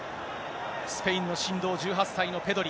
スペインの神童、１８歳のペドリ。